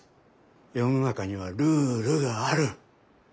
世の中にはルールがある。